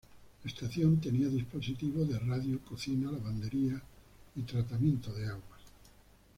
La estación tenía dispositivo de radio, cocina, lavandería y tratamiento de aguas.